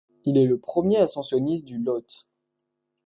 Il est le premier ascensionniste du Lhotse.